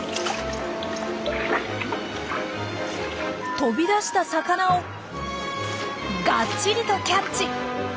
飛び出した魚をガッチリとキャッチ。